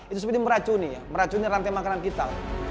itu seperti meracuni ya meracuni rantai makanan kita